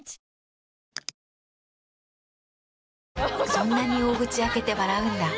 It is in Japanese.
そんなに大口開けて笑うんだ。